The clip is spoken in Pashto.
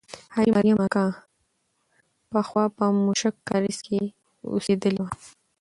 حاجي مریم اکا پخوا په موشک کارېز کې اوسېدلې وه.